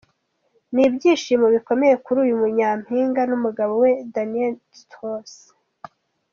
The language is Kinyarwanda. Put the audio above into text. Ni ibyishimo bikomeye kuri uyu nyampinga n’umugabo we D’Niel Strauss.